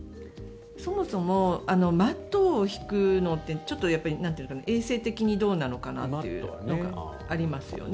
そもそもマットを敷くのってちょっと衛生的にどうなのかなというのがありますよね。